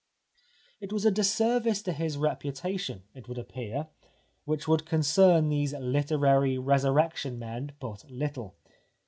It was a disservice to his reputation, it would appear, which would concern these hterary re surrection men but httle.